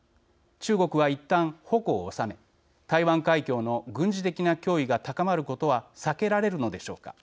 中国は、いったん矛をおさめ台湾海峡の軍事的な脅威が高まることは避けられるのでしょうか。